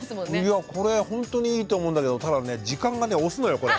いやこれほんとにいいと思うんだけどただね時間がね押すのよこれ。